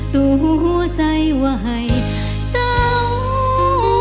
ตัวหัวใจว่าอายได้สักทีทั้งกดเด็ดนี้